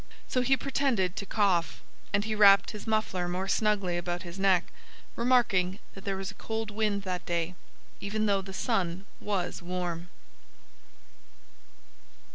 So he pretended to cough. And he wrapped his muffler more snugly about his neck, remarking that there was a cold wind that day, even though the sun was warm.